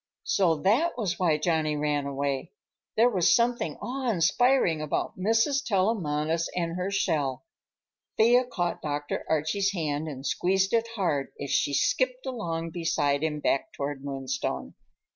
So that was why Johnny ran away. There was something awe inspiring about Mrs. Tellamantez and her shell. Thea caught Dr. Archie's hand and squeezed it hard as she skipped along beside him back toward Moonstone.